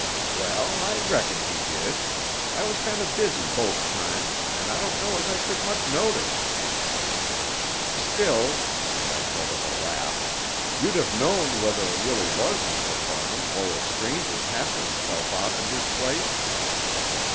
"Well, I reckon he did. I was kind of busy both times, and I don't know as I took much notice." "Still" and I called up a laugh "you'd have known whether it really was Mr. Farnham, or a stranger passing himself off in his place?"